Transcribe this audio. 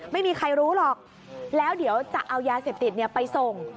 ไม่มีใครรู้หรอกแล้วเดี๋ยวจะเอายาเสพติดไปส่ง